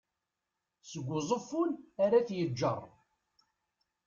seg uẓeffun ar at yeğğer